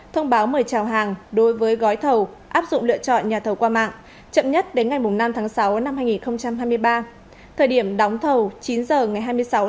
thông báo mời trào hàng đối với gói thầu áp dụng lựa chọn nhà thầu qua mạng chậm nhất đến ngày năm sáu hai nghìn hai mươi ba thời điểm đóng thầu chín h ngày hai mươi sáu sáu hai nghìn hai mươi ba